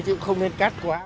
chứ không nên cắt quá